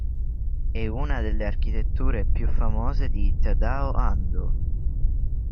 È una delle architetture più famose di Tadao Andō.